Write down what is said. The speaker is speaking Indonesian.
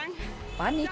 tak akan nyanyi kawah